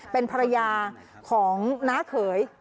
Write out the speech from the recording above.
เป็นภรรยาของน้าเขย